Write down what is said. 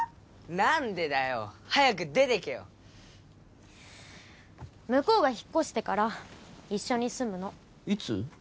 何でだよ早く出てけよ向こうが引っ越してから一緒に住むのいつ？